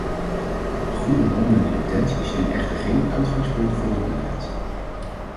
De goede mondelinge intenties zijn echter geen uitgangspunt voor het beleid.